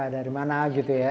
dari mana gitu ya